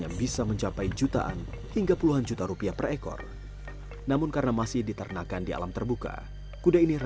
ya secara eksterior sudah kelihatan dari luar